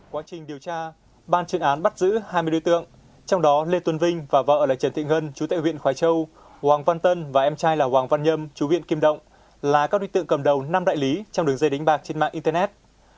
quá trình điều tra ban chuyên án bắt giữ hai mươi đối tượng trong đó lê tuấn vinh và vợ là trần thị ngân chú tại huyện khói châu hoàng văn tân và em trai là hoàng văn nhâm chú viện kim động là các đối tượng cầm đầu năm đại lý trong đường dây đánh bạc trên mạng internet